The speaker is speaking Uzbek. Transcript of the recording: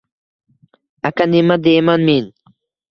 Aka, nima deyman men…